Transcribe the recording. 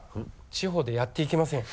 地方でやっていけませんよ。